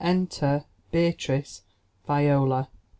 Enter Beatrice, Viola.